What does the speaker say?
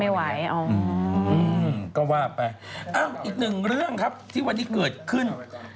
อืมก็ว่าไปอ้าวอีกหนึ่งเรื่องครับที่วันนี้เกิดขึ้น